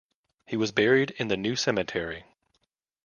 He was buried in the New Cemetery.